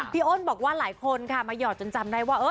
อ้นบอกว่าหลายคนค่ะมาหยอดจนจำได้ว่า